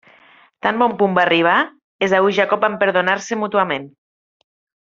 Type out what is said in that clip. Tan bon punt va arribar, Esaú i Jacob van perdonar-se mútuament.